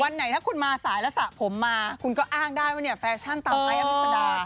ไหนถ้าคุณมาสายแล้วสระผมมาคุณก็อ้างได้ว่าเนี่ยแฟชั่นตามไอ้อมิสดา